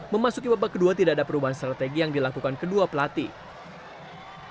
memasuki babak kedua tidak ada perubahan strategi yang dilakukan kedua pelatih